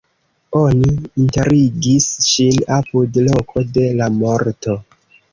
Oni enterigis ŝin apud loko de la morto.